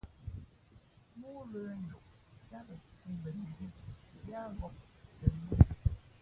Móó lə̄ njoʼ yāā lα pǐ bα nehē, yáá ghōp tαmīe.